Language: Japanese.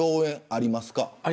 あります。